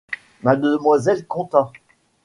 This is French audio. Mademoiselle Contat !